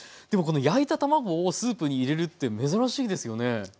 でもこの焼いた卵をスープに入れるって珍しいですよね。